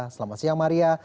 selamat siang maria